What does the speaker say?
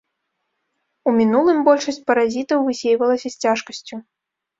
У мінулым большасць паразітаў высейвалася з цяжкасцю.